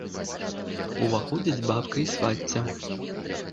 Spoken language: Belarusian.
Уваходзяць бабка і свацця.